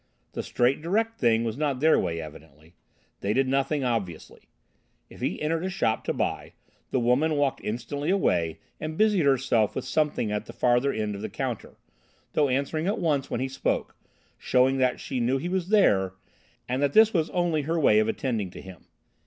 The straight, direct thing was not their way evidently. They did nothing obviously. If he entered a shop to buy, the woman walked instantly away and busied herself with something at the farther end of the counter, though answering at once when he spoke, showing that she knew he was there and that this was only her way of attending to him.